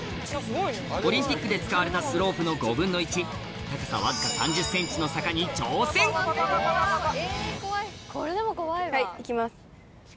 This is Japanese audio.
オリンピックで使われたスロープの５分の１高さわずか３０ｃｍの坂に挑戦はい！